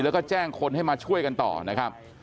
แล้วก็แจ้งคนให้มาช่วยกันต่อนะครับ